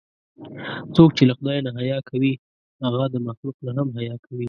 څوک چې له خدای نه حیا کوي، هغه د مخلوق نه هم حیا کوي.